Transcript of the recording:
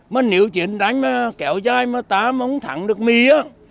mà nếu chuyện đánh kẹo chai mà ta không thẳng được mỹ á